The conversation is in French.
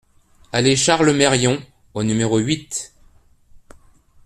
Allée Charles Meryon au numéro huit